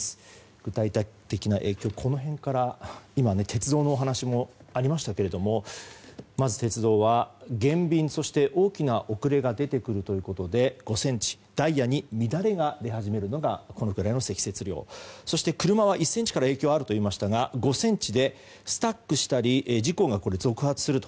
具体的な影響はこの辺から鉄道の話もありましたけれどもまず、鉄道は減便や大きな遅れが出てくるということで５ｃｍ、ダイヤに乱れが出始めるのがこのくらいの積雪量そして車は１ｃｍから影響があると言いましたが５ｃｍでスタックしたり事故が続発すると。